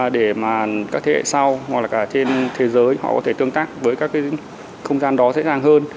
để các thế hệ sau hoặc cả trên thế giới họ có thể tương tác với các không gian đó dễ dàng hơn